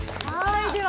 では